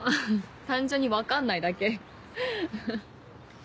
単純に分かんないだけフフ。